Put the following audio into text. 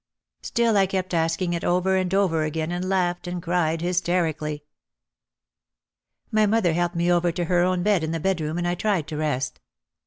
Still I kept asking it over and over again and laughed and cried hysterically. My mother helped me over to her own bed in the bed room and I tried to rest.